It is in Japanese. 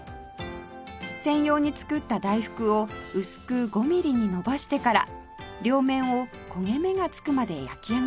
専用に作った大福を薄く５ミリに延ばしてから両面を焦げ目が付くまで焼き上げます